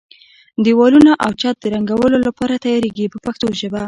دېوالونه او چت د رنګولو لپاره تیاریږي په پښتو ژبه.